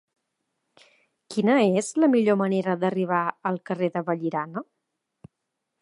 Quina és la millor manera d'arribar al carrer de Vallirana?